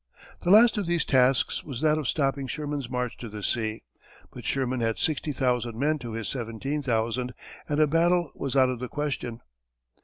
The last of these tasks was that of stopping Sherman's march to the sea, but Sherman had sixty thousand men to his seventeen thousand, and a battle was out of the question.